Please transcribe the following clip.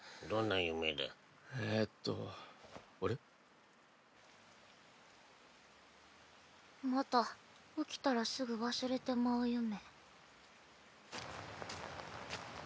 ・ザァーまた起きたらすぐ忘れてまう夢。